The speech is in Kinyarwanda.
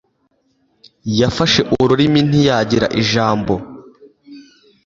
Yafashe ururimi ntiyagira ijambo.